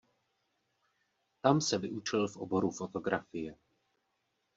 Tam se vyučil v oboru fotografie.